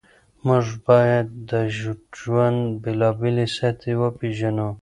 موږ باید د ژوند بېلابېلې سطحې وپېژنو.